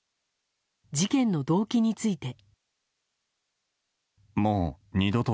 事件の動機について。